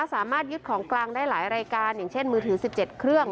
สามารถยึดของกลางได้หลายรายการอย่างเช่นมือถือ๑๗เครื่อง